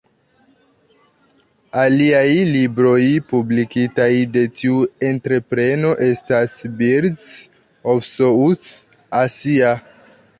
Aliaj libroj publikitaj de tiu entrepreno estas "Birds of South Asia.